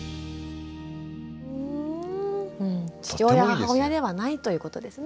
父親母親ではないということですね。